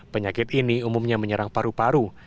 penyakit ini umumnya menyerang paru paru